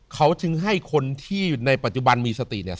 เขาจึงให้คนที่ในปัจจุบันมีสติเนี่ย